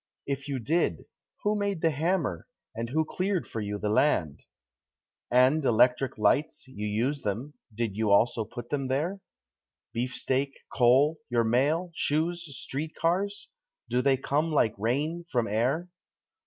If you did, who made the hammer and who cleared for you the land? And electric lights you use them; did you also put them there? Beefsteak, coal, your mail, shoes, street cars do they come like rain from air?